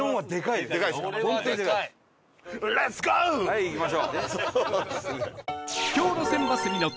はい行きましょう。